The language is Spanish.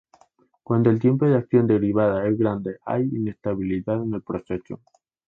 Cuando el tiempo de acción derivada es grande, hay inestabilidad en el proceso.